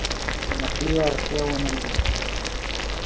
نقلي اړتیا ونه لري.